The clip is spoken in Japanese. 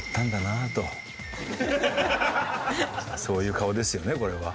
そういう顔ですよねこれは。